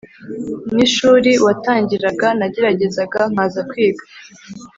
n ishuri watangiraga nageragezaga nkaza kwiga